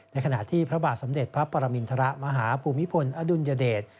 ขณะที่พระบาทสมเด็จพระปรมินทรมาฮภูมิพลอดุลยเดช